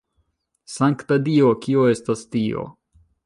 Sankta Dio, kio estas tio?